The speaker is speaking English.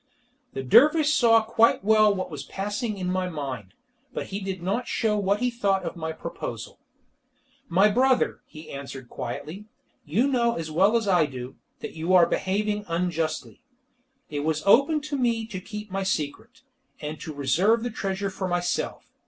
The dervish saw quite well what was passing in my mind, but he did not show what he thought of my proposal. "My brother," he answered quietly, "you know as well as I do, that you are behaving unjustly. It was open to me to keep my secret, and to reserve the treasure for myself.